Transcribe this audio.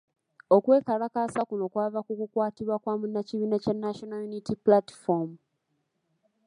Okwekalakaasa kuno kwava ku kukwatibwa kwa munnakibiina kya National Unity Platform.